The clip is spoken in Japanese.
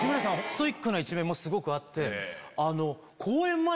ストイックな一面もすごくあって。